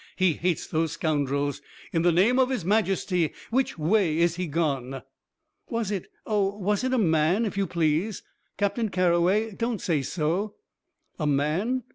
He hates those scoundrels. In the name of his Majesty, which way is he gone?" "Was it oh, was it a man, if you please? Captain Carroway, don't say so." "A man?